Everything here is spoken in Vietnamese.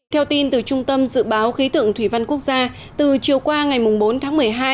theo tin từ trung tâm dự báo khí tượng thủy văn quốc gia từ chiều qua ngày bốn tháng một mươi hai